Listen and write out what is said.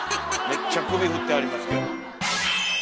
めっちゃ首振ってはりますけど。